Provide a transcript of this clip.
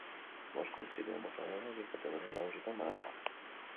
Bost kontzilio mota daude, bi kategoria nagusitan banatuak.